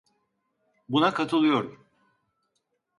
Buna katılıyorum.